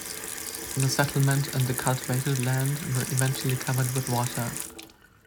The settlement and the cultivated land were eventually covered with water.